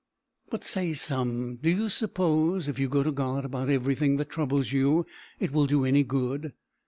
But say some, "Do you suppose if you go to God about everything that troubles you it will do any good?